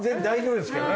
大丈夫です。